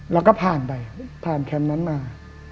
แล้วก็ผ่านไปผ่านแคมป์นั้นมา